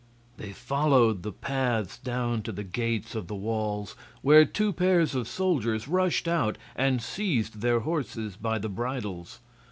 They followed the paths down to the gates of the walls, where two pairs of soldiers rushed out and seized their horses by the bridles.